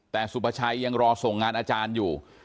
แต่สุภาชัยยังรอส่งงานอาจารย์อยู่